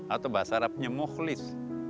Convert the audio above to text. atau bahasa arabnya mukhlis